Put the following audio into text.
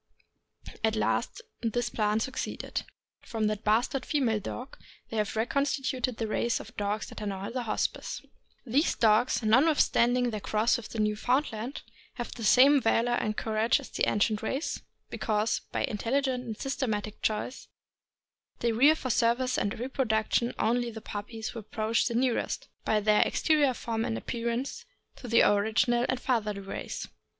At last this plan succeeded. From that bastard female dog they have recon stituted the race of dogs that are now at the Hospice. These dogs, notwith standing their cross with the Newfoundland, have the same valor and courage as the ancient race, because, by an intelligent and systematic choice, they rear THE ST. BEKNAKD. 551 for service and reproduction only the puppies who approach the nearest, by their exterior form and appearance, to the original and fatherly race.